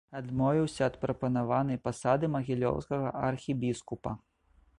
Адмовіўся ад прапанаванай пасады магілёўскага архібіскупа.